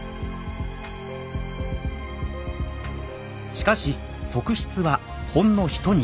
しかし側室はほんの一握り。